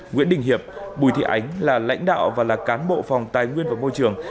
nguyễn đình hiệp bùi thị ánh là lãnh đạo và là cán bộ phòng tài nguyên và môi trường